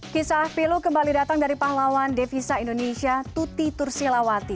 kisah pilu kembali datang dari pahlawan devisa indonesia tuti tursilawati